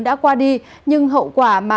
đã qua đi nhưng hậu quả mà